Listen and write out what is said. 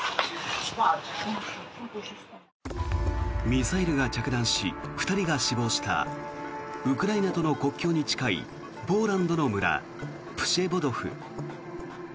ミサイルが着弾し２人が死亡したウクライナとの国境に近いポーランドの村、プシェボドフ。